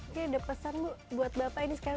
ini ada pesan buat bapak ini sekarang